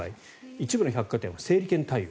一部の百貨店は整理券対応。